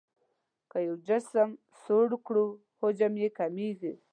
که یو جسم سوړ کړو حجم یې کمیږي.